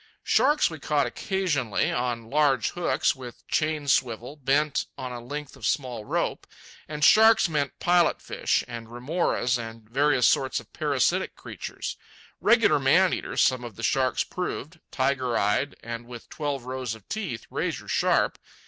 Sharks we caught occasionally, on large hooks, with chain swivels, bent on a length of small rope. And sharks meant pilot fish, and remoras, and various sorts of parasitic creatures. Regular man eaters some of the sharks proved, tiger eyed and with twelve rows of teeth, razor sharp.